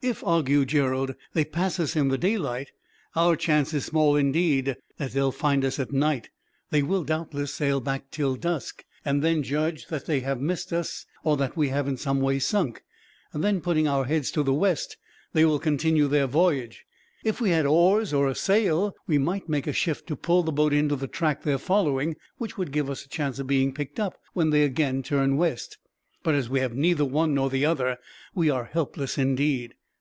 "If," argued Gerald, "they pass us in the daylight, our chance is small, indeed, that they will find us at night. They will, doubtless, sail back till dusk; and then judge that they have missed us, or that we have in some way sunk; then, putting their heads to the west, they will continue their voyage. "If we had oars, or a sail, we might make a shift to pull the boat into the track they are following, which would give us a chance of being picked up when they again turn west; but as we have neither one nor the other, we are helpless, indeed."